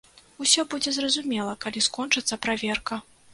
Усё будзе зразумела, калі скончыцца праверка.